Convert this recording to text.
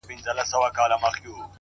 • یادوي به مي هر څوک په بد ویلو,